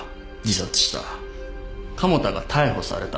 加茂田が逮捕された。